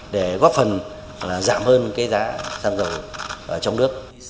để góp phần giảm hơn cái giá xăng dầu trong nước